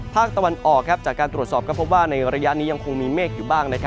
ภาคตะวันออกจากการตรวจสอบก็พบว่าในระยะนี้ยังคงมีเมฆอยู่บ้าง